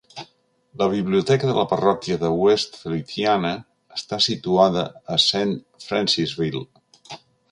La Biblioteca de la Parròquia de West Feliciana està situada a Saint Francisville.